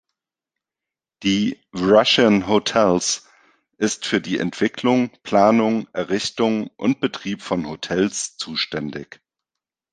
Die Russian Hotels ist für die Entwicklung, Planung, Errichtung und Betrieb von Hotels zuständig.